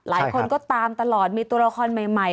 หลายคนก็ตามตลอดมีตัวละครใหม่